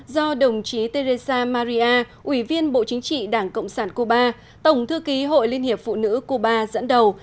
do đồng chí teresa maria ủy viên bộ chính trị đảng cộng sản cuba tổng thư ký hội liên hiệp phụ nữ cuba dẫn đầu